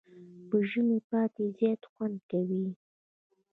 په ژمي پاتی زیات خوند کوي.